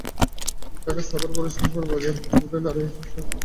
ঢাকার সাভার পৌরসভার বাজার রোডের নারায়ণ স্টোরে প্রতিদিন হাজার হাজার টাকার লেনদেন হয়।